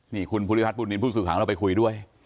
นี่คุณภูริพัฒน์ปุ่นนิสผู้สู่หังเราไปคุยด้วย